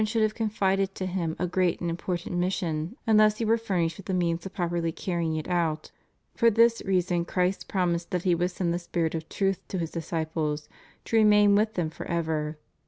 should have confided to him a great and important mis* sion unless he were furnished with the means of properly carrying it out, for this reason Christ promised that He would send the Spirit of Truth to His disciples to remain with them forever.